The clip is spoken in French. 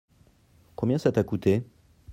Combien ça t'as coûté ?